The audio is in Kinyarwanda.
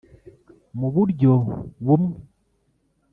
muburyo bumwe.